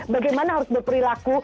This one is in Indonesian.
bagaimana harus berperilaku